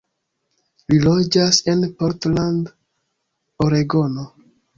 Li loĝas en Portland, Oregono.